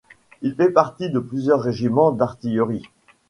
Il fait partie de plusieurs régiment d'artillerie.